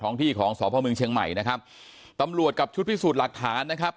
ที่ของสพเมืองเชียงใหม่นะครับตำรวจกับชุดพิสูจน์หลักฐานนะครับ